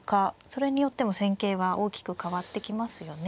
それによっても戦型は大きく変わってきますよね。